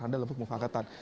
ada lembuk membuk angetan